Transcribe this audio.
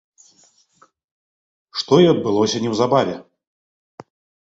Што і адбылося неўзабаве.